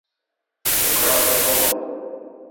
وَقَالَ قَوْمٌ